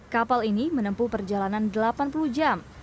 kapal ini menempuh perjalanan delapan puluh jam